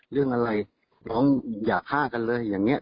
เรื่องอะไรน้องอย่าฆ่ากันเลยอย่างนี้